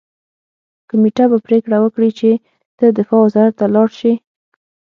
کمېټه به پریکړه وکړي چې ته دفاع وزارت ته لاړ شې